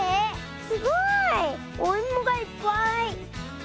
すごい。おいもがいっぱい。